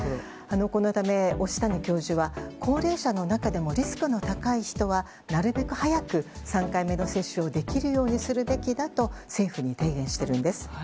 このため押谷教授は高齢者の中でもリスクの高い人はなるべく早く３回目の接種をできるようにするべきだと政府に提言しているんです。